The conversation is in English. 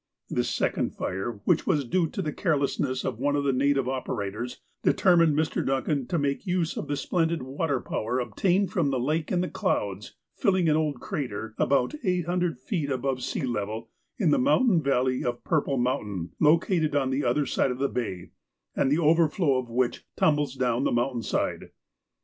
This second fire, which was due to the carelessness of one of the native operators, determined Mr. Duncan to make use of the splendid water power obtained from the "Lake in the Clouds," filling an old crater, about 800 feet above sea level, in the mountain valley of '' Purple Mountain," located on the other side of the bay, and the overflow of which tumbles down the mountainside.